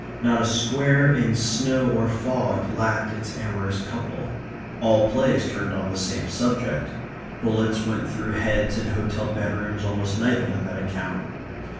Not a square in snow or fog lacked its amorous couple. All plays turned on the same subject. Bullets went through heads in hotel bedrooms almost nightly on that account.